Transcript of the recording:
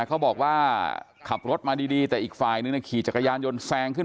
เขาบอกว่าขับรถมาดีแต่อีกฝ่ายนึงขี่จักรยานยนต์แซงขึ้น